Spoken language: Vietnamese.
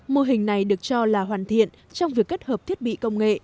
mô hình này được cho là hoàn thiện trong việc kết hợp thiết bị công nghệ